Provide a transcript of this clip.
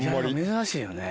珍しいよね。